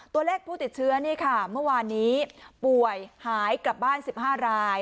ตัวเลขผู้ติดเชื้อนี่ค่ะเมื่อวานนี้ป่วยหายกลับบ้าน๑๕ราย